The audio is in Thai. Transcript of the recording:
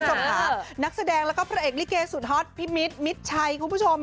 คุณผู้ชมค่ะนักแสดงแล้วก็พระเอกลิเกสุดฮอตพี่มิดมิดชัยคุณผู้ชม